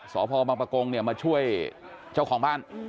สอบพอบบังปะโกงมาช่วยเจ้าของบ้าน